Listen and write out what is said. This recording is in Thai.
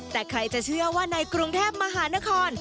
แต่ใครจะเชื่อว่าในกรุงเทพมหานคร